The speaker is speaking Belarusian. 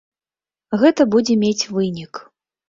Гэта будзе мець вынік.